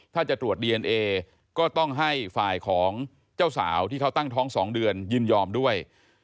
ถ้าจะตรวจดีเอนเอก็ต้องให้ฝ่ายของเจ้าสาวที่เขาตั้งท้อง๒เดือนยินยอมด้วย